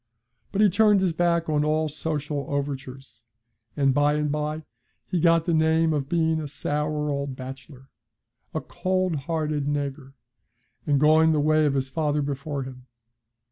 But he turned his back on all social overtures, and by and by he got the name of being a sour old bachelor, 'a cold hearted naygur,' going the way of his father before him.